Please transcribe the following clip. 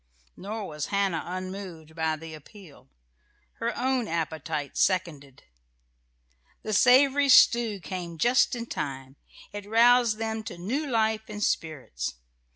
Nor was Hannah unmoved by the appeal. Her own appetite seconded. The savoury stew came just in time. It aroused them to new life and spirits.